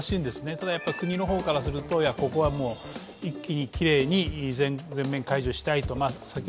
ただ、国のほうからするとここは一気にきれいに全面解除したいと。